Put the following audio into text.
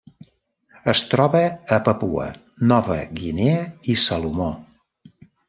Es troba a Papua Nova Guinea i Salomó.